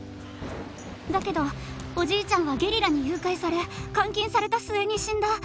だけどおじいちゃんはゲリラに誘拐され監禁された末に死んだ。